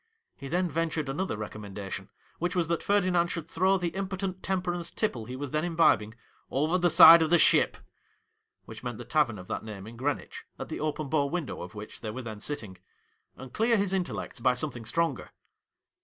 He then ventured another re commendation, which was, that Ferdinand should throw the impotent temperance tipple he was then imbibing ' over the side of the Ship '— which meant the tavern of that name in Greenwich, at the open bow window oi which they were then sitting — and clear his intellects by something stronger.